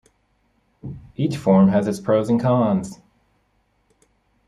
Each form has its pros and cons.